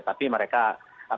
tapi mereka minta waktu